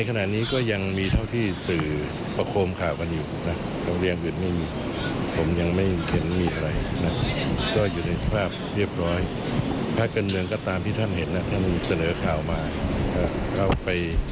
การกำหนดกรอบกำหนดแดงอย่างที่เราทราบแล้วนะครับ